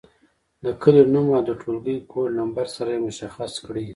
د کلي نوم او د ټولګي کوډ نمبر سره یې مشخص کړئ.